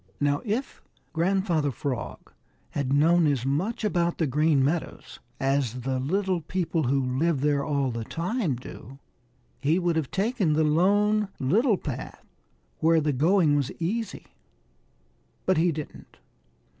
Now if Grandfather Frog had known as much about the Green Meadows as the little people who live there all the time do, he would have taken the Lone Little Path, where the going was easy. But he didn't.